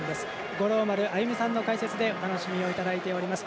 五郎丸歩さんの解説でお楽しみをいただいております。